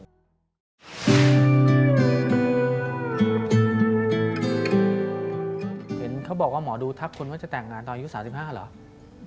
เห็นเขาบอกว่าหมอดูทักคนว่าจะแต่งงานตอนอายุ๓๕เหรอ